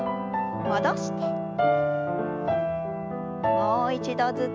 もう一度ずつ。